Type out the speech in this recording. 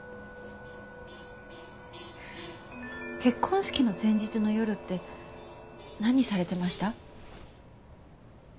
結婚式の前日の夜って何されてました？